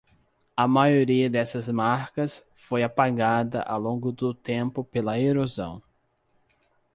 A maioria dessas marcas foi apagada ao longo do tempo pela erosão